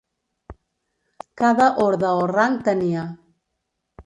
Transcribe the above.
Cada orde o rang tenia.